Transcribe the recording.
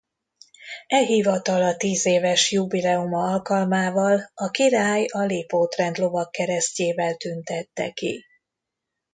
E hivatala tízéves jubileuma alkalmával a király a Lipót-rend lovagkeresztjével tüntette ki.